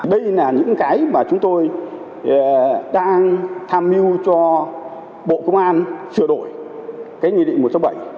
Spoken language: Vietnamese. đây là những cái mà chúng tôi đang tham mưu cho bộ công an sửa đổi cái nghị định một trăm sáu mươi bảy